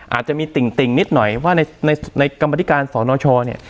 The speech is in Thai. อาจจะมีติ่งนิดหน่อยว่าในกรรมธิการสนชเนี่ย